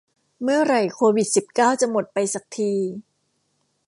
เมื่อไหร่โควิดสิบเก้าจะหมดไปสักที